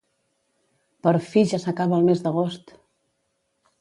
Per fi ja s'acaba el mes d'agost!